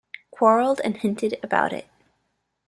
Quarrelled and hinted about it.